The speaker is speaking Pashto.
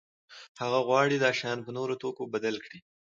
هغه غواړي دا شیان په نورو توکو بدل کړي.